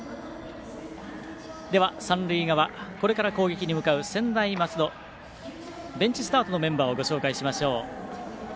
三塁側、これから攻撃に向かう専大松戸、ベンチスタートのメンバーをご紹介しましょう。